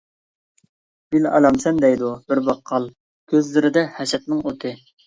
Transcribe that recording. -گۈل ئالامسەن؟ دەيدۇ بىر باققال، كۆزلىرىدە ھەسەتنىڭ ئوتى.